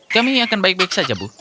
kami ini akan baik baik saja bu